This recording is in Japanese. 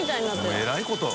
もうえらいこと。